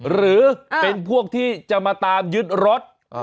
หรือเป็นพวกที่จะมาตามยึดรถ